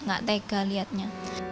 gak tega liatnya